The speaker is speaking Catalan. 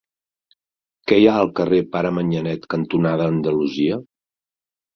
Què hi ha al carrer Pare Manyanet cantonada Andalusia?